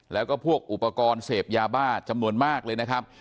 แล้วก็พวกอุปกรณ์เสพยาบ้าจำนวนมากเลยนะครับ